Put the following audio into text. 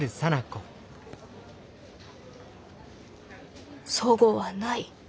心の声齟齬はない。